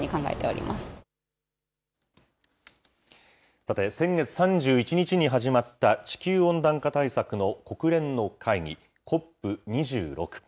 さて、先月３１日に始まった地球温暖化対策の国連の会議、ＣＯＰ２６。